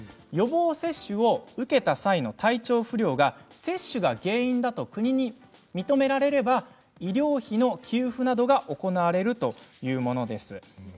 予防接種を受けた際の体調不良が接種が原因だと国に認められれば医療費の給付などが行われるというものです。